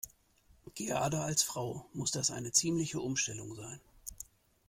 Gerade als Frau muss das eine ziemliche Umstellung sein.